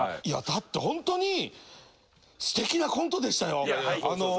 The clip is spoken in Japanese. いやだって本当にすてきなコントでしたよ。